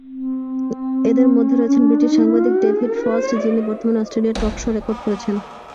এদের মধ্যে রয়েছেন ব্রিটিশ সাংবাদিক ডেভিড ফ্রস্ট, যিনি বর্তমানে অস্ট্রেলিয়ায় টক শো রেকর্ড করছেন।